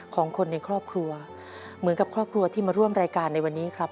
ของคนในครอบครัวเหมือนกับครอบครัวที่มาร่วมรายการในวันนี้ครับ